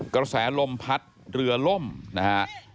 กระแสลมพัดเรือล่มนะฮะ